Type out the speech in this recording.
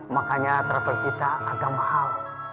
makanya travel kita agak mahal